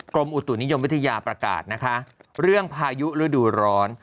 กรมอุตุนิยมวิทยาประกาศนะคะเรื่องพายุฤดูร้อน